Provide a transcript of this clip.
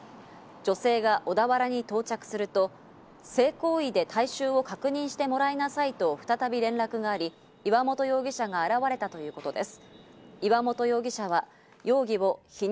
女性が小田原に到着すると、性行為で体臭を確認してもらいなさいと再び連絡があり、岩本容疑者が現れたということです。